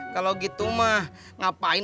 kalau gitu mah ngapain